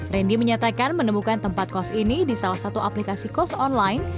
randy menyatakan menemukan tempat kos ini di salah satu aplikasi kos online